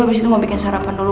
abis itu mau bikin sarapan dulu